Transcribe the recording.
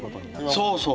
そうそう。